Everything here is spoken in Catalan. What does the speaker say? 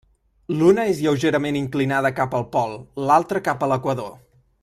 L'una és lleugerament inclinada cap al pol, l'altra cap a l'equador.